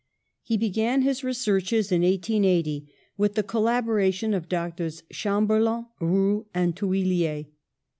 He began his researches in 1880 with the collaboration of Doctors Chamberland, Roux and Thuillier.